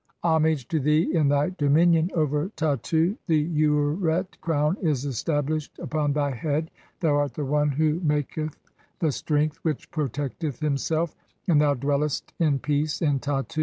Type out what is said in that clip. (4) "Homage to thee in thv dominion over Tattu ; the Ureret 'crown is established upon thy head ; thou art the One who 'maketh the strength which protecteth himself, and thou dwellest 'in peace in Tattu.